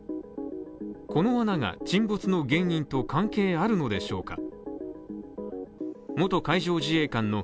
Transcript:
この穴が沈没の原因と関係あるのでしょうか。